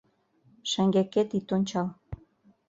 — Шеҥгекет ит ончал.